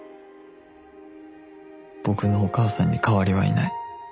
僕のお母さんに代わりはいない